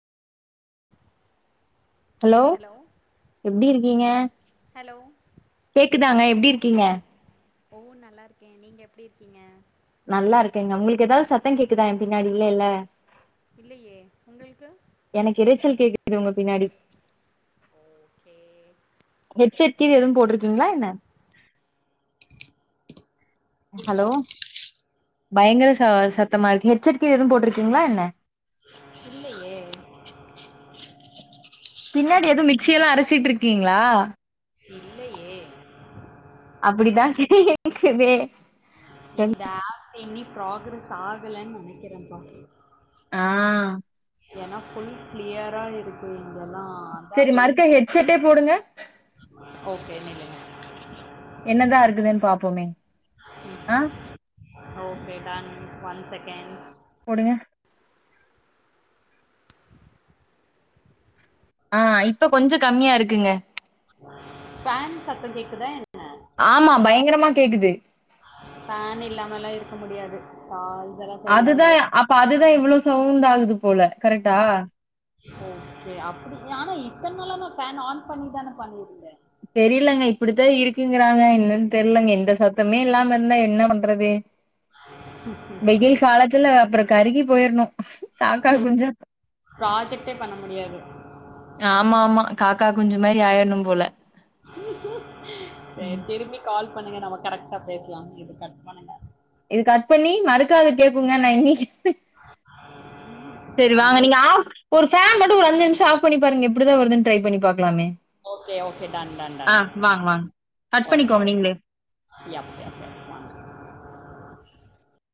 hello எப்டி இருக்கீங்க hello கேக்குதாங்க எப்டி இருக்கீங்க ஓ நல்லா இருக்கே நீங்க எப்டி இருக்கீங்க நல்லா இருக்கேங்க உங்களுக்கு ஏதாவது சத்தம் கேக்குதா என் பின்னாடி இல்லல்ல இல்லயே உங்களுக்கு எனக்கு இரைச்சல் கேக்குது உங்க பின்னாடி ஓக்கே ஹெட்செட் கீதும் எதும் போட்டிருக்கீங்ளா என்ன ஹலோ பயங்கர ச சத்தமா இருக்கு ஹெச் செட் கீதும் எதும் போட்ருக்கீங்ளா என்ன இல்லயே பின்னாடி எதும் மிக்சி எல்லா அரைச்சிட்டு இருக்கீங்ளா இல்லயே அப்படிதா [unintelligible] கேக்குது இந்த ஆப் எண்ணி ப்ராகரஸ் ஆகலன்னு நெனைக்கிறேப்பா ஆ எனக்குள் கிளியரா இருக்கு இங்கல்லா அத்தா சரி எங் மறுக்கா ஹெட்செட்டே போடுங்க ஓகே [unintelligible] என்னதா இருக்குதுன்னு பாப்போமே ஆ ஓக்கே டன் ஒன் செகண்ட் போடுங்க ஆ இப்ப கொஞ்சோ கம்மியா இருக்குங்க ஃபேன் சத்தம் கேக்குதா என் ஆமா பயங்கரமா கேக்குது ஃபேன் இல்லாம எல்லா இருக்க முடியாது கான்சரா அதுதா அப்ப அதுதா இவ்வளவு சவுண்ட் ஆகுது போல கரெக்டா ஓக்கே அப்பிடி ஆனா இத்தன் நாளா நா ஃபேன் ஆன் பண்ணிதானே பண்ணியிருந்தே தெரியலங்க இப்படித்தா இருக்குங்கிறாங்க என்னன்னு தெரியலங்க இந்த சத்தமே இல்லாம இருந்தா என்ன பண்றது வெயில் காலத்துல அப்புறோ கருகி போயிறணு ம் ப்ராஜெக்ட்டே பண்ண முடியாது ஆமா ஆமா காக்கா குஞ்சு மாறி ஆயிட்ணு போல சேரி ம் திரும்பி கால் பண்ணுங்க நம்ம கரெக்டா பேசலா இது கட் பண்ணுங்க இது கட் பண்ணி மறுக்கா இது கேக்குங்க நா எண்ணி செ ம் ம் சேரி வாங்க நீங்க ஆஃப் ஒரு ஃபேன் மட்டும் அஞ்சு நிமிஷம் ஆப் பண்ணி பாருங்க எப்படிதா வருதுன்னு ட்ரை பண்ணி பாக்கலாமே ஓகே ஓகே டன் டன் ஆ டன் வாங்க வாங்க கட் ஓகே பண்ணிக்கோங்க நீங்களே [inaudible]